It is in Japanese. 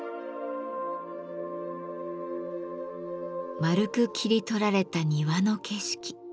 円く切り取られた庭の景色。